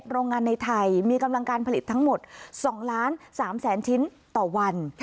โรงงานในไทยมีกำลังการผลิตทั้งหมด๒ล้าน๓แสนชิ้นต่อวัน